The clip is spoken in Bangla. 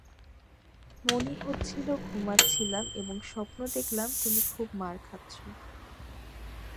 মনে হচ্ছিলো ঘুমাচ্ছিলাম এবং স্বপ্ন দেখলাম তুমি খুব মার খাচ্ছো।